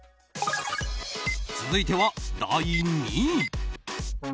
続いては第２位。